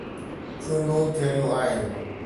چونڊون ٿيڻيون آهن.